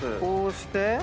こうして。